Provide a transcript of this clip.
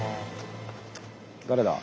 誰だ？